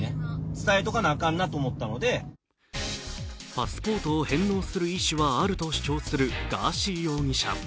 パスポートを返納する意思はある主張するガーシー容疑者。